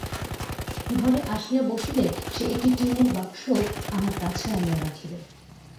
ঘরে আসিয়া বসিলে সে একটি টিনের বাক্স আমার কাছে আনিয়া রাখিল।